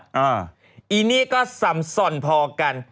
อันนี้ก็สำสรรค์พอกัน